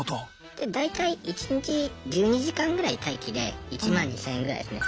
で大体１日１２時間ぐらい待機で１万２，０００円ぐらいですね。